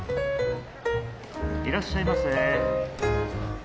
いらっしゃいませ。